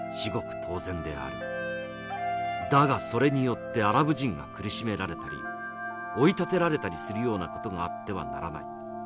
だがそれによってアラブ人が苦しめられたり追い立てられたりするような事があってはならない。